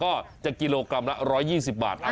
ก็จะกิโลกรัมละ๑๒๐บาท